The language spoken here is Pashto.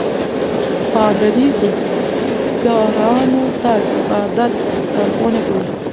پادري بزګرانو ته د عبادت لارښوونه کوي.